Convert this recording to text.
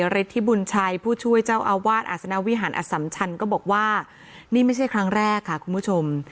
ฤทธิบุญชัยผู้ช่วยเจ้าอาวาสอาศนาวิหารอสัมชันก็บอกว่านี่ไม่ใช่ครั้งแรกค่ะคุณผู้ชม